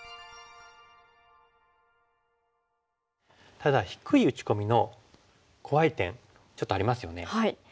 ただ低い打ち込みの怖い点ちょっとありますよね。